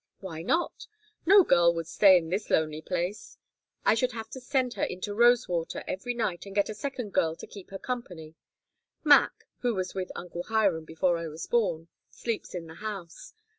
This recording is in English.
"Why not? No girl would stay in this lonely place. I should have to send her in to Rosewater every night and get a second girl to keep her company. Mac who was with Uncle Hiram before I was born sleeps in the house.